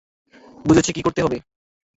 বুঝেছি কী করতে হবে।